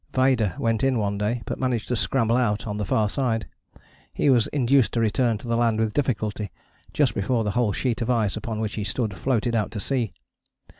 Vaida went in one day, but managed to scramble out on the far side. He was induced to return to the land with difficulty, just before the whole sheet of ice upon which he stood floated out to sea.